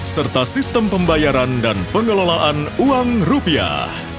serta sistem pembayaran dan pengelolaan uang rupiah